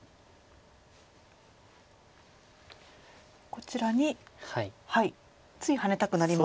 こちらについハネたくなりますが。